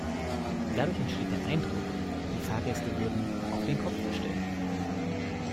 Dadurch entsteht der Eindruck, die Fahrgäste würden „auf den Kopf gestellt“.